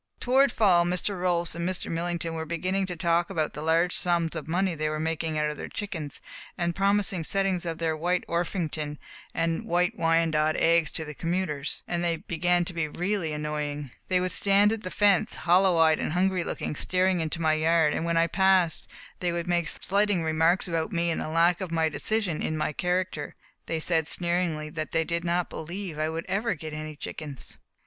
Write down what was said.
Toward fall Mr. Rolfs and Mr. Millington were beginning to talk about the large sums of money they were making out of their chickens, and promising settings of their White Orpington and White Wyandotte eggs to the commuters, and they began to be really annoying. They would stand at the fence, hollow eyed and hungry looking, staring into my yard, and when I passed they would make slighting remarks about me and the lack of decision in my character. They said sneeringly that they did not believe I would ever get any chickens.